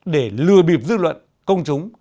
để lừa bịp dư luận công chúng